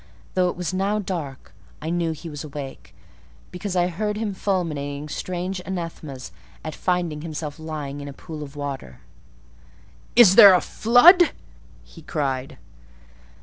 Though it was now dark, I knew he was awake; because I heard him fulminating strange anathemas at finding himself lying in a pool of water. "Is there a flood?" he cried.